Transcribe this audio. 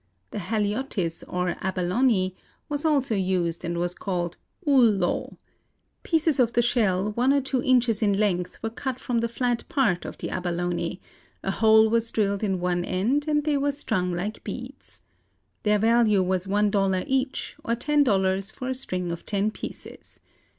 The Haliotis or abalone was also used and was called uhl lo. Pieces of the shell one or two inches in length were cut from the flat part of the abalone, a hole was drilled in one end and they were strung like beads. Their value was one dollar each, or ten dollars for a string of ten pieces.